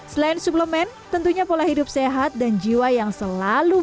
selain suplemen tentunya pola hidup sehat dan jiwa yang selalu